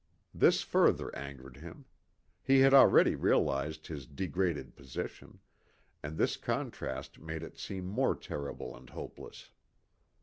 This further angered him. He had already realized his degraded position, and this contrast made it seem more terrible and hopeless.